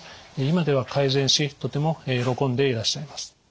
今では改善しとても喜んでいらっしゃいます。